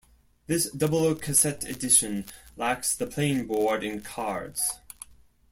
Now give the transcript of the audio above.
This double cassette edition lacks the playing board and cards.